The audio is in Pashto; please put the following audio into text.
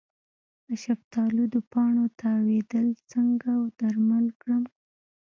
د شفتالو د پاڼو تاویدل څنګه درمل کړم؟